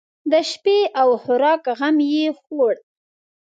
د شپې او خوراک غم یې خوړ.